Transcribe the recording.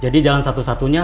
jadi jangan satu satunya